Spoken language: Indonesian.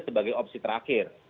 sebagai opsi terakhir